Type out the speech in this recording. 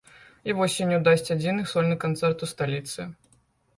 І восенню дасць адзіны сольны канцэрт у сталіцы.